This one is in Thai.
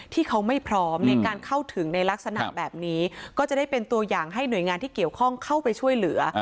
ที่เขาไม่พร้อมในการเข้าถึงในลักษณะแบบนี้ก็จะได้เป็นตัวอย่างให้หน่วยงานที่เกี่ยวข้องเข้าไปช่วยเหลือ